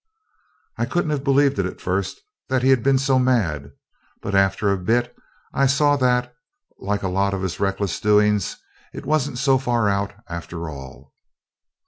I couldn't have believed at first that he'd be so mad. But after a bit I saw that, like a lot of his reckless doings, it wasn't so far out after all.